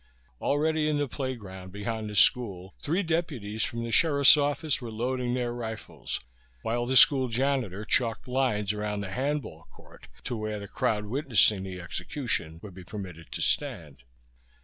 Already in the playground behind the school three deputies from the sheriff's office were loading their rifles, while the school janitor chalked lines around the handball court to mark where the crowd witnessing the execution would be permitted to stand.